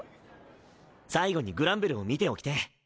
最後にグランベルを見ておきてぇ。